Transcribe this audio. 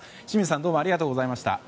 清水さん、どうもありがとうございました。